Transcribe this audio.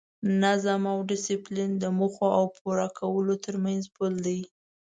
نظم او ډیسپلین د موخو او پوره کولو ترمنځ پل دی.